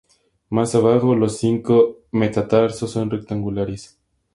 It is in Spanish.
Más abajo, los cinco metatarsos son rectangulares.